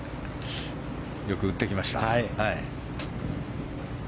よく打ってきました。